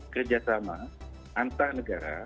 kerjasama antar negara